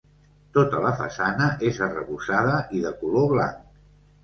Tota la façana és arrebossada i de color blanc.